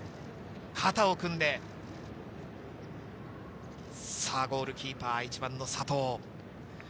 肩を組んで、ゴールキーパー・１番の佐藤。